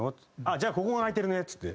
「じゃあここが空いてるね」っつって。